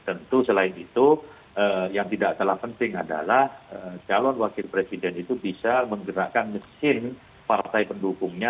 tentu selain itu yang tidak kalah penting adalah calon wakil presiden itu bisa menggerakkan mesin partai pendukungnya